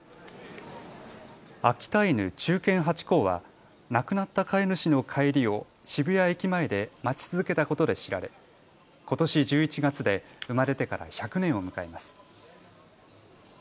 秋田犬、忠犬ハチ公は亡くなった飼い主の帰りを渋谷駅前で待ち続けたことで知られことし１１月で生まれてから１００年を迎えます。